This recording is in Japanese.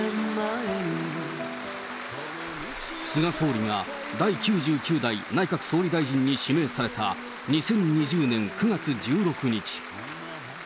菅総理が第９９代内閣総理大臣に指名された２０２０年９月１６日。